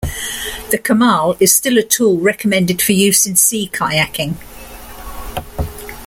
The kamal is still a tool recommended for use in sea kayaking.